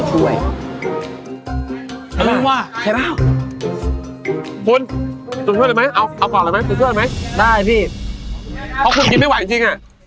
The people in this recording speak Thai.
หรือว่าเราจะกินแบบนี้น้อยน้อยแล้วขอตัวช่วย